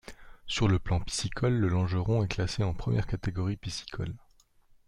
Sur le plan piscicole, le Langeron est classé en première catégorie piscicole.